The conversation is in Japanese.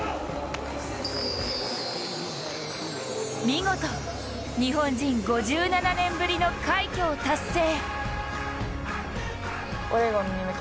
見事、日本人５７年ぶりの快挙を達成。